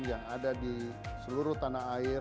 yang ada di seluruh tanah air